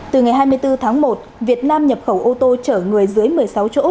từ ngày hai mươi bốn tháng một việt nam nhập khẩu ô tô chở người dưới một mươi sáu chỗ